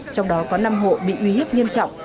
trong đó có năm hộ bị uy hiếp nghiêm trọng